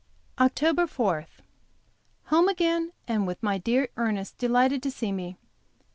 OCTOBER 4 HOME again, and with my dear Ernest delighted to see me.